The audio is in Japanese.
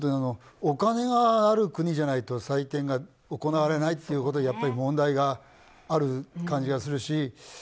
お金がある国じゃないと祭典が行われないということはやっぱり問題がある感じがするし。